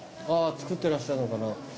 あぁ作ってらっしゃるのかな？